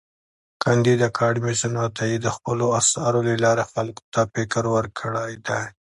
کانديد اکاډميسن عطايي د خپلو اثارو له لارې خلکو ته فکر ورکړی دی.